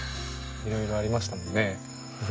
いろいろありましたもんね。